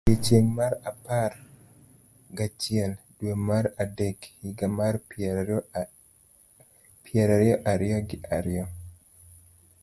E odiechieng' mar apar gachiel, dwe mar adek, higa mar piero ariyo gi ariyo,